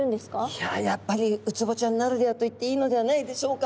いややっぱりウツボちゃんならではと言っていいのではないでしょうか。